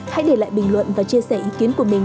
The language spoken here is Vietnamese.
hãy để lại bình luận và chia sẻ ý kiến của mình